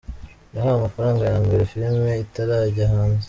Yahawe amafaranga ya mbere filime itarajya hanze.